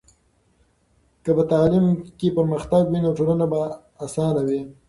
که په تعلیم کې پرمختګ وي، نو ټولنه به اسانه وي.